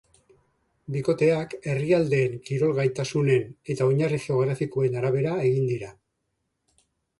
Bikoteak, herrialdeen kirol-gaitasunen eta oinarri-geografikoen arabera egin dira.